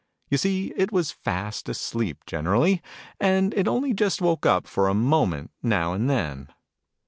You see it was fast asleep generally, and it only just woke up for a moment, now and then.